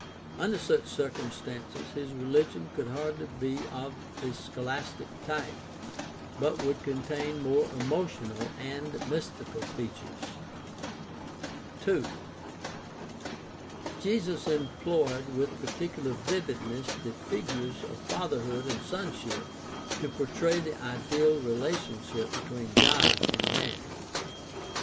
Under such cir cumstances his religion could hardly be of the scholastic type, but would contain more emotional and mystical features. 2. Jesus employed with particular vividness the figures of fatherhood and sonship to portray the ideal relationship between God and man.